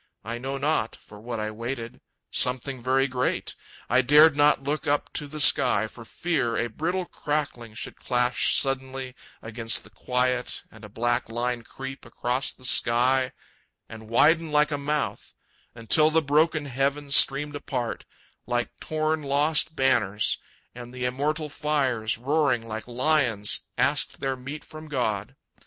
I know not For what I waited something very great I dared not look up to the sky for fear A brittle crackling should clash suddenly Against the quiet, and a black line creep Across the sky, and widen like a mouth, Until the broken heavens streamed apart, Like torn lost banners, and the immortal fires, Roaring like lions, asked their meat from God.